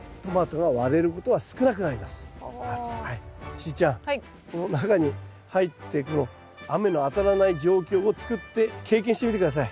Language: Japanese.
しーちゃんこの中に入って雨の当たらない状況を作って経験してみて下さい。